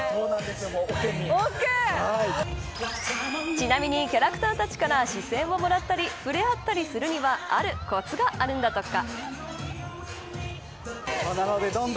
ちなみに、キャラクターたちから視線をもらったり触れ合ったりするにはあるコツがあるんだとか。